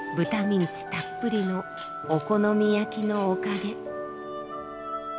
ミンチたっぷりのお好み焼きのおかげ。